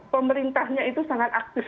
pemerintahnya itu sangat aktif